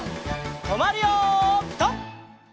とまるよピタ！